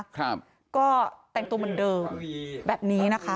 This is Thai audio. ครับก็แต่งตัวเหมือนเดิมแบบนี้นะคะ